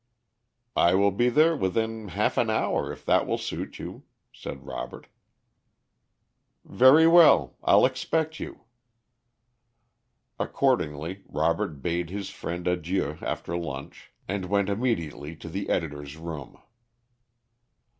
"I will be there within half an hour, if that will suit you," said Robert. "Very well; I'll expect you." Accordingly, Robert bade his friend adieu after lunch, and went immediately to the editor's room.